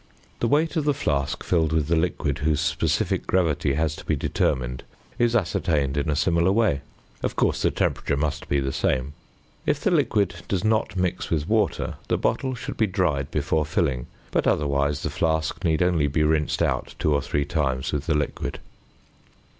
The weight of the flask filled with the liquid whose sp. g. has to be determined is ascertained in a similar way. Of course the temperature must be the same. If the liquid does not mix with water, the bottle should be dried before filling, but otherwise the flask need only be rinsed out two or three times with the liquid.